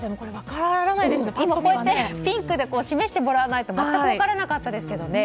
今ピンクで示してもらわないと全く分からなかったですけどね。